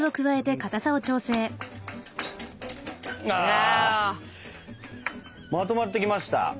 まとまってきました！